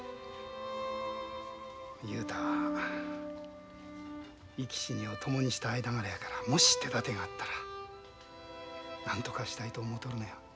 雄太は生き死にを共にした間柄やからもし手だてがあったらなんとかしたいと思うとるのや。